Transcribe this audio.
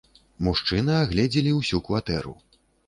Мужчыны агледзелі ўсю кватэру.